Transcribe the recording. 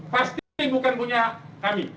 pasti bukan punya kami